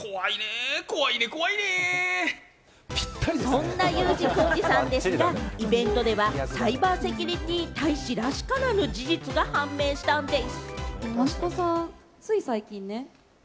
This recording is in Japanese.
そんなＵ字工事さんですが、イベントではサイバーセキュリティ大使らしからぬ事実が判明したんでぃす！